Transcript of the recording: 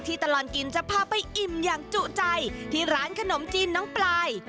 ตลอดกินจะพาไปอิ่มอย่างจุใจที่ร้านขนมจีนน้องปลาย